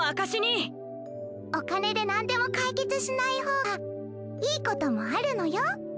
おかねでなんでもかいけつしないほうがいいこともあるのよ。